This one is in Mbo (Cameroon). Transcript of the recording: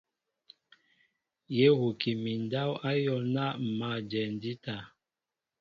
Yé huki mi ndáw áyól ná ḿ mǎl a jɛɛ ndíta.